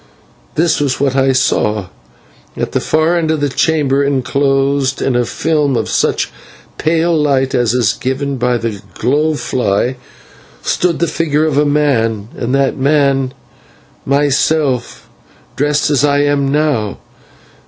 "This was what I saw: at the far end of the chamber, enclosed in a film of such pale light as is given by the glow fly, stood the figure of a man, and that man myself, dressed as I am now.